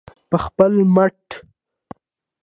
په خپل مټ.